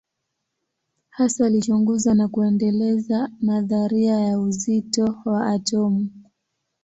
Hasa alichunguza na kuendeleza nadharia ya uzito wa atomu.